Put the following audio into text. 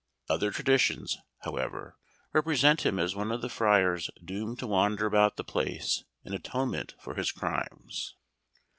Other traditions, however, represent him as one of the friars doomed to wander about the place in atonement for his crimes.